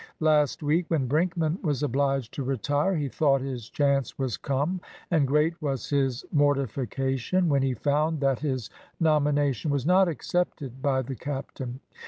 Last week, when Brinkman was obliged to retire, he thought his chance was come, and great was his mortification when he found that his nomination was not accepted by the captain.